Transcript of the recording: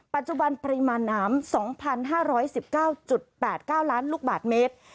ปัจจุบันปริมาณน้ำ๒๕๑๙๘๙ล้านลูกบาทเมตร